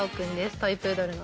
トイ・プードルの。